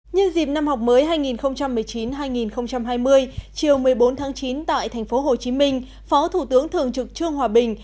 nhân dịp năm học mới hai nghìn một mươi chín hai nghìn hai mươi chiều một mươi bốn tháng chín tại tp hcm phó thủ tướng thường trực trương hòa bình